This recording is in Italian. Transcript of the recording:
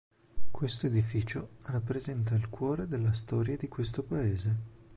Questo edificio rappresenta il cuore della storia di questo paese.